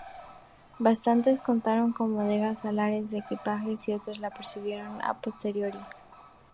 Bastantes contaron con bodegas alares de equipajes y otros las recibieron a posteriori.